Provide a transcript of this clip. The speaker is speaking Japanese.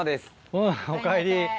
うんおかえり